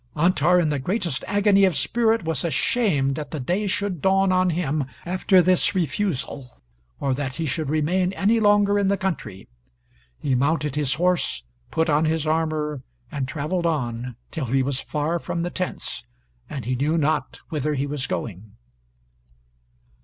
Antar, in the greatest agony of spirit, was ashamed that the day should dawn on him after this refusal, or that he should remain any longer in the country. He mounted his horse, put on his armor, and traveled on till he was far from the tents, and he knew not whither he was going.